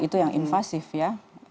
itu yang invasif ya